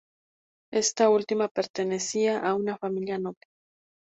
Ésta última pertenecía a una familia noble.